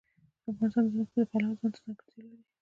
افغانستان د ځمکه د پلوه ځانته ځانګړتیا لري.